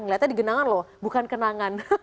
ngelihatnya di genangan loh bukan kenangan